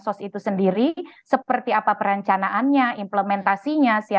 kebanyakan dari ketiga berasal dari dusur penutupi isu sisma sisma